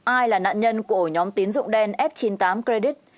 ai là nạn nhân của ổ nhóm tín dụng đen f chín mươi tám credit